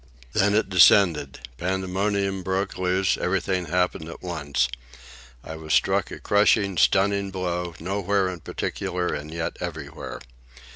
Then it descended, pandemonium broke loose, everything happened at once. I was struck a crushing, stunning blow, nowhere in particular and yet everywhere.